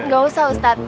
gak usah ustadz